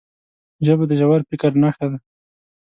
ژبه د ژور فکر نښه ده